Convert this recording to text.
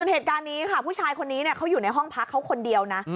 เหตุการณ์นี้ค่ะผู้ชายคนนี้เขาอยู่ในห้องพักเขาคนเดียวนะ